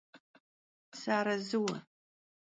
Sıarezıue!